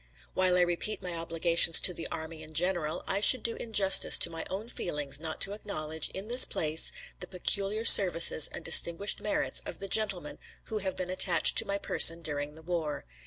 While I repeat my obligations to the Army in general, I should do injustice to my own feelings not to acknowledge, in this place, the peculiar services and distinguished merits of the Gentlemen who have been attached to my person during the war.